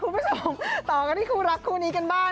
คุณผู้ชมต่อกันที่คู่รักคู่นี้กันบ้าง